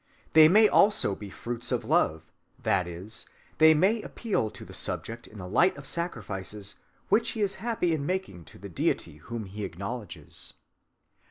They may also be fruits of love, that is, they may appeal to the subject in the light of sacrifices which he is happy in making to the Deity whom he acknowledges.